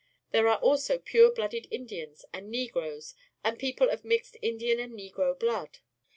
There are also pure blooded Indians and Negroes and people of mixed Indian and Negro blood.